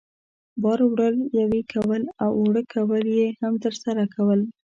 بار وړل، یوې کول او اوړه کول یې هم ترسره کول.